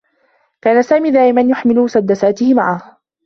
كان سامي دائما يحمل مسدّساته معه.